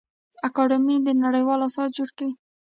اکاډمي دي نړیوال اثار جوړ کړي.